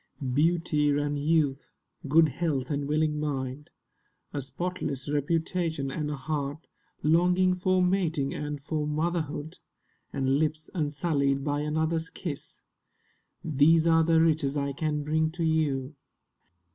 Beauty and youth, good health and willing mind, A spotless reputation, and a heart Longing for mating and for motherhood, And lips unsullied by another's kiss— These are the riches I can bring to you.